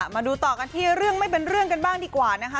มาดูต่อกันที่เรื่องไม่เป็นเรื่องกันบ้างดีกว่านะคะ